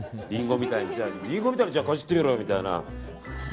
リンゴみたいにかじってみろよみたいな。